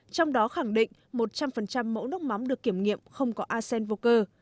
trong đó khẳng định một trăm linh mẫu nước mắm được kiểm nghiệm không có acen vô cơ